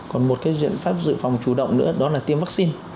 còn một cái biện pháp dự phòng chủ động nữa đó là tiêm vaccine